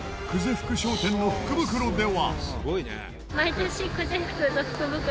福商店の福袋では。